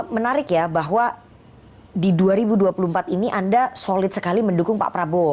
menarik ya bahwa di dua ribu dua puluh empat ini anda solid sekali mendukung pak prabowo